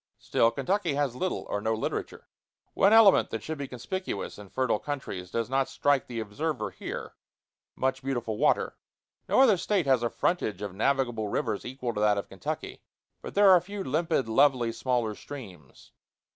Still, Kentucky has little or no literature. [Illustration: HEMP FIELD.] One element that should be conspicuous in fertile countries does not strike the observer here much beautiful water; no other State has a frontage of navigable rivers equal to that of Kentucky. But there are few limpid, lovely, smaller streams.